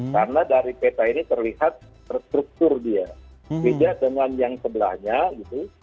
karena dari peta ini terlihat struktur dia beda dengan yang sebelahnya gitu